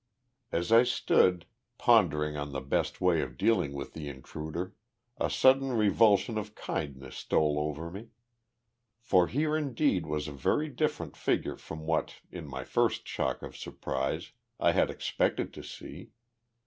As I stood, pondering on the best way of dealing with the intruder, a sudden revulsion of kindness stole over me. For here indeed was a very different figure from what, in my first shock of surprise, I had expected to see.